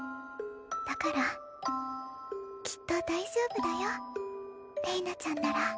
だからきっと大丈夫だよれいなちゃんなら。